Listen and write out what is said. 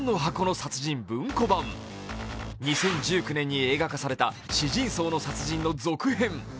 ２０１９年に映画化された「屍人荘の殺人」の続編。